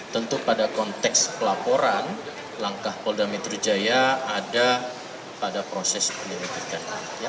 tentu pada konteks pelaporan langkah polda metro jaya ada pada proses penyelidikan